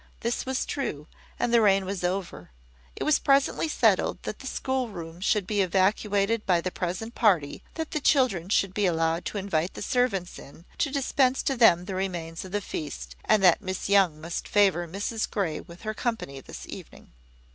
This was true; and the rain was over. It was presently settled that the schoolroom should be evacuated by the present party; that the children should be allowed to invite the servants in, to dispense to them the remains of the feast; and that Miss Young must favour Mrs Grey with her company this evening.